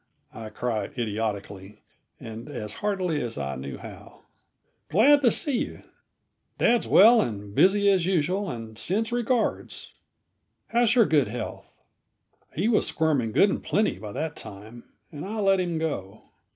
I cried idiotically and as heartily as I knew how. "Glad to see you. Dad's well and busy as usual, and sends regards. How's your good health?" He was squirming good and plenty, by that time, and I let him go.